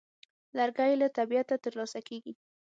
لرګی له طبیعته ترلاسه کېږي.